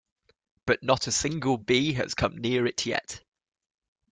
But not a single bee has come near it yet.